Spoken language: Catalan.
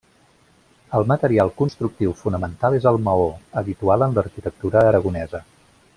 El material constructiu fonamental és el maó, habitual en l'arquitectura aragonesa.